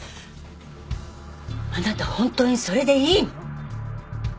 あなた本当にそれでいいの？